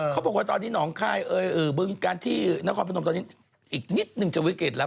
เขาบอกว่าตอนนี้หนองคายบึงการที่นครพนมตอนนี้อีกนิดนึงจะวิกฤตแล้ว